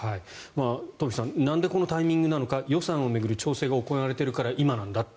トンフィさんなんでこのタイミングなのか予算を巡る調整が行われているから今なんだと。